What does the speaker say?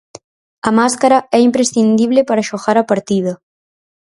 A máscara é imprescindible para xogar a partida.